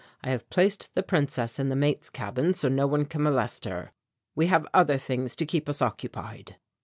I have placed the Princess in the mate's cabin so no one can molest her. We have other things to keep us occupied."